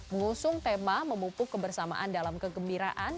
mengusung tema memupuk kebersamaan dalam kegembiraan